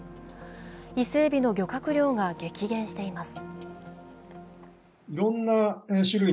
イセエビの漁獲量が激減しています。